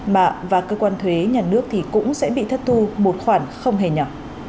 mạng và cơ quan thuế nhà nước thì cũng sẽ bị thất tu một khoản không hề nhỏ